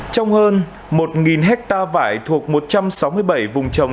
trong hơn một hectare vải thuộc một trăm sáu mươi bảy vùng trồng